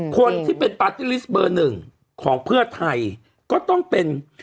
คนที่เป็นปาร์ตี้ลิสต์เบอร์หนึ่งของเพื่อไทยก็ต้องเป็น